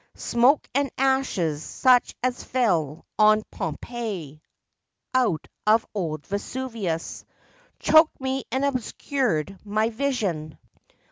Smoke and ashes, such as fell on Pompeii, out of old Vesuvius, Choked me and obscured my vision, 2 6 FACTS AND FANCIES.